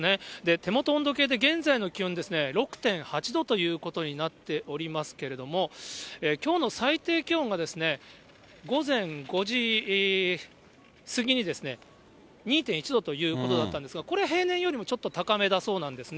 手元温度計で現在の気温ですね、６．８度ということになっておりますけれども、きょうの最低気温が、午前５時過ぎに２．１度ということだったんですが、これ、平年よりもちょっと高めだそうなんですね。